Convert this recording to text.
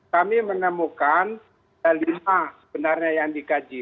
kami menemukan lima sebenarnya yang dikaji